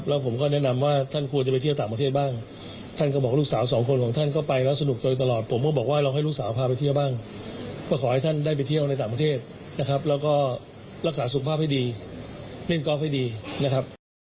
รักษาสุขภาพให้ดีเล่นกอล์ฟให้ดีนะครับ